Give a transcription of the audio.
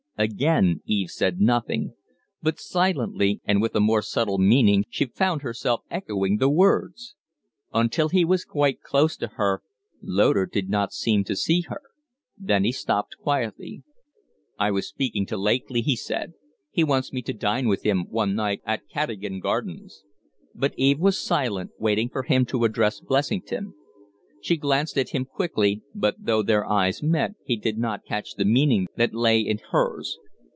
Again Eve said nothing. But silently and with a more subtle meaning she found herself echoing the words. Until he was quite close to her, Loder did not seem to see her. Then he stopped quietly. "I was speaking to Lakely," he said. "He wants me to dine with him one night at Cadogan Gardens." But Eve was silent, waiting for him to address Blessington. She glanced at him quickly, but though their eyes met he did not catch the meaning that lay in hers.